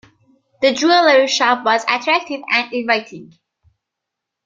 The jewellery shop was attractive and inviting.